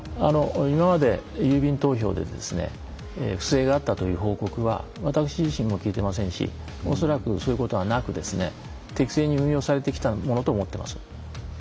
今まで郵便投票で不正があったという報告は私自身も聞いてませんし恐らくそういうことはなく適正に運用されてきたものと思ってます。